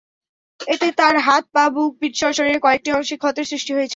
এতে তার হাত, পা, বুক, পিঠসহ শরীরের কয়েকটি অংশে ক্ষতের সৃষ্টি হয়েছে।